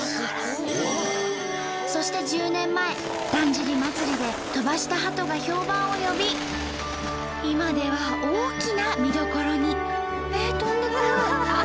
そして１０年前だんじり祭で飛ばしたハトが評判を呼び今では大きな見どころに。